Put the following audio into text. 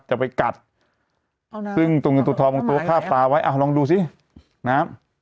จะไปกัดซึ่งตรงกันตัวทองตัวข้าวปลาไว้อ้าวลองดูสินะครับ